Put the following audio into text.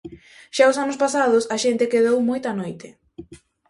Xa os anos pasados a xente quedou moita noite.